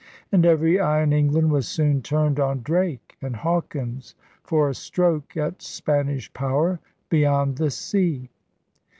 And every eye in England was soon turned on Drake and Hawkins for a stroke at Spanish power beyond the sea.